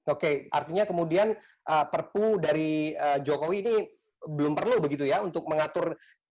oke artinya kemudian perpu dari jokowi ini belum perlu begitu ya untuk mengatur